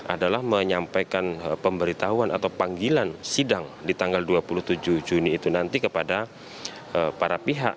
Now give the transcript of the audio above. adalah menyampaikan pemberitahuan atau panggilan sidang di tanggal dua puluh tujuh juni itu nanti kepada para pihak